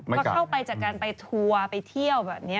ก็เข้าไปจากการไปทัวร์ไปเที่ยวแบบนี้